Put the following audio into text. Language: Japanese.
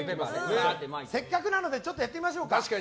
せっかくなのでちょっとやってみましょうか。